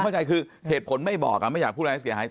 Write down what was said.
เข้าใจคือเหตุผลไม่บอกไม่อยากพูดอะไรให้เสียหาย